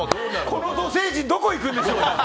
この土星人どこ行くんでしょうか。